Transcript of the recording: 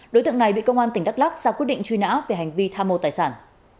đối tượng này bị công an tỉnh đắk lắc ra quyết định truy nã về hành vi tham mô tài sản